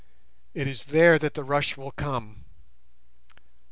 It is there that the rush will come.